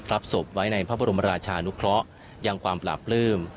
รับศพไว้ในพระบรมราชานุเคราะห์ยังความปราบปลื้ม